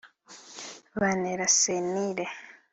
bantera sentiri